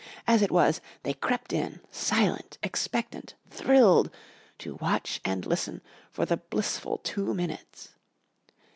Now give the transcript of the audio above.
As it was, they crept in, silent, expectant, thrilled, to watch and listen for the blissful two minutes.